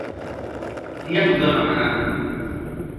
Dia menjual makanan.